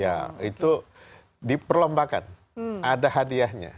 ya itu di perlombakan ada hadiahnya